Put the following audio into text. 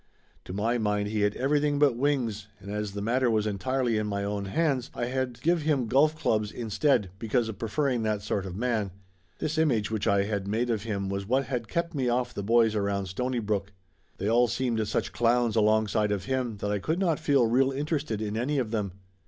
To my mind he had everything but wings, and as the matter was entirely in my own hands I had give him golf clubs instead, because of preferring that sort of man. This image which I had made of him was what had kept me off the boys around Stony brook. They all seemed such clowns alongside of him that I could not feel real interested in any of them.